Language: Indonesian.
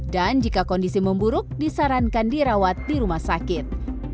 dan jika kondisi memburuk disarankan dirawat di rumah sakit